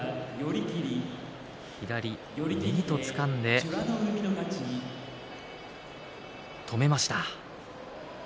左右つかんで止めました。